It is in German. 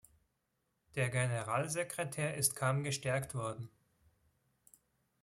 Der Generalsekretär ist kaum gestärkt worden.